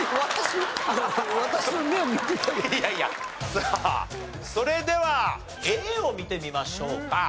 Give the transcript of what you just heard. さあそれではＡを見てみましょうか。